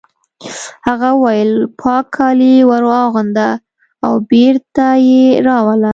هغه وویل پاک کالي ور واغونده او بېرته یې راوله